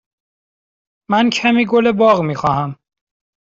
من کمی گل باغ می خواهم.